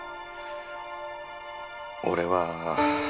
俺は。